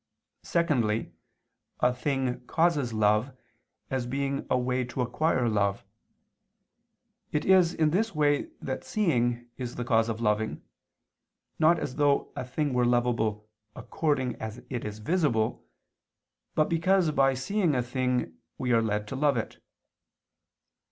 Secondly, a thing causes love, as being a way to acquire love. It is in this way that seeing is the cause of loving, not as though a thing were lovable according as it is visible, but because by seeing a thing we are led to love it.